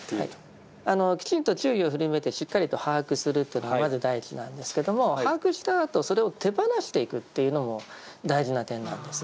きちんと注意を振り向けてしっかりと把握するというのがまず第一なんですけども把握したあとそれを手放していくというのも大事な点なんです。